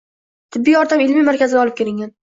Tibbiy yordam ilmiy markaziga olib kelingan.